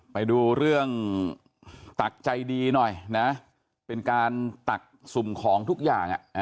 ไปดูเรื่องตักใจดีหน่อยนะเป็นการตักสุ่มของทุกอย่าง